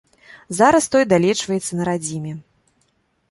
Зараз той далечваецца на радзіме.